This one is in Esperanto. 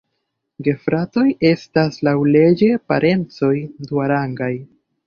Gefratoj estas laŭleĝe parencoj duarangaj.